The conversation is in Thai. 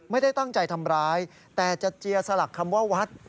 ไม่ได้ตั้งใจทำร้ายแต่จะเจียสลักคำว่าวัด